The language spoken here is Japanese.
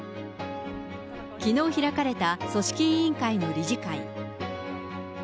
きのう開かれた組織委員会の理事会。